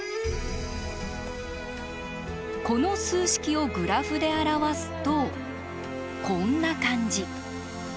この数式をグラフで表すとこんな感じ。